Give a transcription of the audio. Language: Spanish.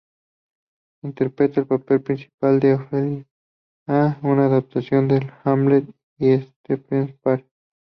Interpreta el papel principal en "Ofelia", una adaptación del "Hamlet" de Shakespeare.